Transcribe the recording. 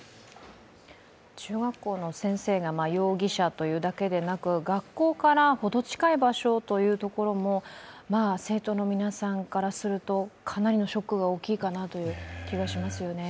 中学校の先生が容疑者というだけでなく学校からほど近い場所というところも生徒の皆さんからするとかなりのショックが大きいかなという気がしますよね。